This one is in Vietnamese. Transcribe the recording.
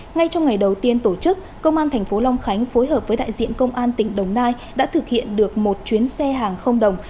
ngay trong ngày đầu tiên tổ chức công an thành phố long khánh phối hợp với đại diện công an tỉnh đồng nai đã thực hiện được một chuyến xe hàng không đồng